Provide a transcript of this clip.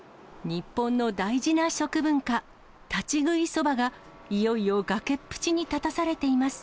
日本の大事な食文化、立ち食いそばが、いよいよ崖っぷちに立たされています。